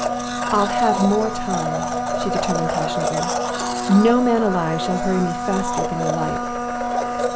"I'll have more time!" she determined, passionately. "No man alive shall hurry me faster than I like!"